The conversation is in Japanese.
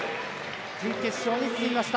準決勝に進みました。